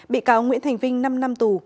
bị cáo nguyễn thành vinh năm năm tù